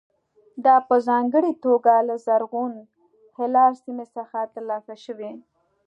دا په ځانګړې توګه له زرغون هلال سیمې څخه ترلاسه شوي.